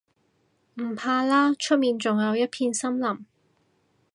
唔怕啦，出面仲有一片森林